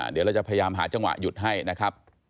เดี๋ยวเราจะพยายามหาจังหวะหยุดให้นะครับ